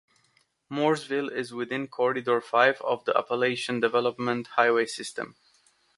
Mooresville is within Corridor Five of the Appalachian Development Highway System.